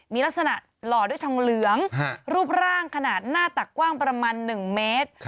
มีลักษณะหล่อด้วยทองเหลืองรูปร่างขนาดหน้าตักกว้างประมาณ๑เมตร